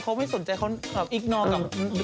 เขาไม่สนใจเขาอิกนอมโดมแม